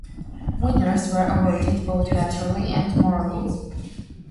Winners were awarded both materially and morally.